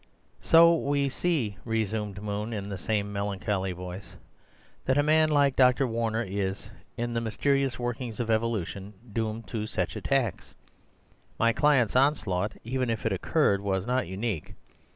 "So we see," resumed Moon, in the same melancholy voice, "that a man like Dr. Warner is, in the mysterious workings of evolution, doomed to such attacks. My client's onslaught, even if it occurred, was not unique.